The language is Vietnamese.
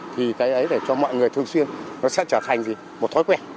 thì cái ấy để cho mọi người thường xuyên nó sẽ trở thành gì một thói quen